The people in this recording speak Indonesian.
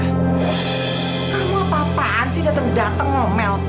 kamu apa apaan sih udah terdateng ngomel